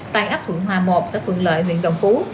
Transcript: tại ấp thuận hòa một xã phường lợi huyện đồng phú